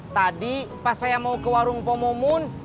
tadi pas saya mau ke warung pomun